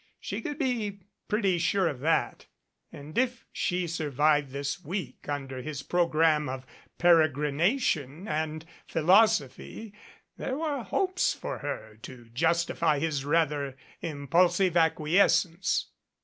She could be pretty sure of that and if she survived this week under his program of peregrination and philosophy there were hopes for her to justify his rather impulsive acquiescence.